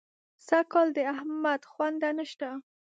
سږکال د احمد خونده نه شته.